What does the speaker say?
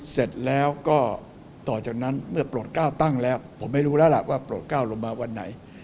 เสร็จแล้วก็ต่อจากนั้นเมื่อโปรดก้าวตั้งแล้วผมไม่รู้แล้วล่ะว่าโปรดก้าวลงมาวันไหน